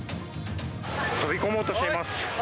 飛び込もうとしています。